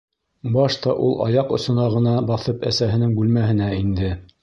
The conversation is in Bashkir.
Башта ул аяҡ осона ғына баҫып әсәһенең бүлмәһенә инде.